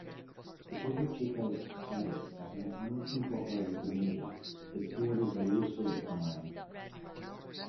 Because of Chico's status as an unincorporated community, its borders are loosely defined.